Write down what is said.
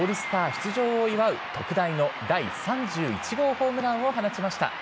出場を祝う特大の第３１号ホームランを放ちました。